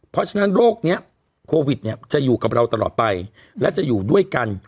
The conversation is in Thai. เพราะฉะนั้นโรคนี้โควิดเนี่ยจะอยู่กับเราตลอดไปและจะอยู่ด้วยกัน